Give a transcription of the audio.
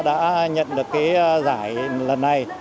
đã nhận được cái giải lần này